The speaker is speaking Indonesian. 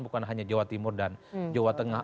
bukan hanya jawa timur dan jawa tengah